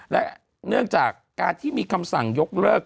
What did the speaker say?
และเนื่องจากการที่มีคำสั่งยกเลิก